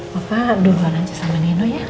papa dulu nanti sama dino ya